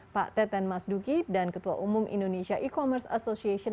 pak teten mas duki dan ketua umum indonesia e commerce association